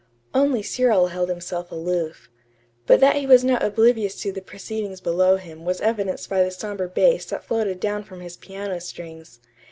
Only Cyril held himself aloof. But that he was not oblivious of the proceedings below him was evidenced by the somber bass that floated down from his piano strings.